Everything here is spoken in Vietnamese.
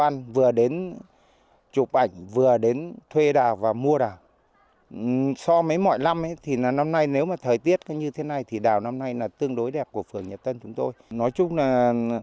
nếu giá đào năm nay thời tiết có như thế này mà chúng đẹp thì nó nhích lên một mươi hai mươi